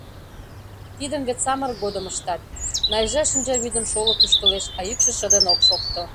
Тидым вет самырык годым ыштат, — Найжа шинчавӱдым шолып ӱштылеш, а йӱкшӧ шыдын ок шокто.